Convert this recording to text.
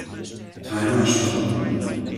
Timer starten.